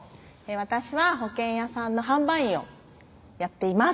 私は保険屋さんの販売員をやっています